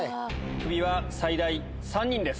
クビは最大３人です。